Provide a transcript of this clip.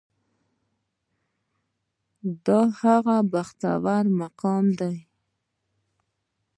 دا هغه بختور مقام دی.